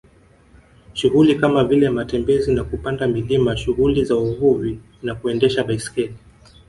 Shughuli kama vile matembezi na kupanda milima shughuli za uvuvi na kuendesha baiskeli